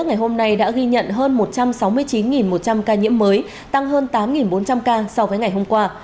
ngày hôm nay đã ghi nhận hơn một trăm sáu mươi chín một trăm linh ca nhiễm mới tăng hơn tám bốn trăm linh ca so với ngày hôm qua